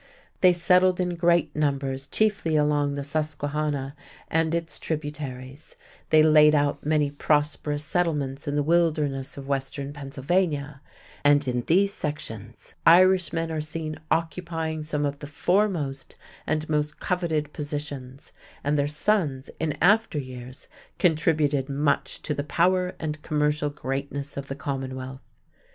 They settled in great numbers chiefly along the Susquehanna and its tributaries; they laid out many prosperous settlements in the wilderness of western Pennsylvania, and in these sections Irishmen are seen occupying some of the foremost and most coveted positions, and their sons in after years contributed much to the power and commercial greatness of the Commonwealth.